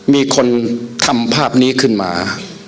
มีคนทำภาพนี้ขึ้นมา